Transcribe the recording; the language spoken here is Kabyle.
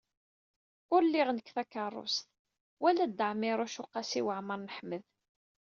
Ur liɣ nekk takeṛṛust wala Dda Ɛmiiruc u Qasi Waɛmer n Ḥmed.